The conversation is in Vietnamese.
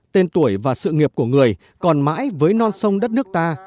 tên tuổi và sự nghiệp của người còn mãi với non sông đất nước ta